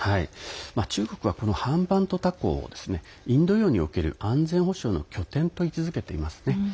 中国はハンバントタ港をインド洋における安全保障の拠点と位置づけていますね。